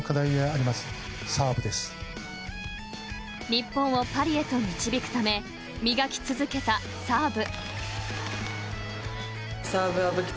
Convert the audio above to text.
［日本をパリへと導くため磨き続けたサーブ］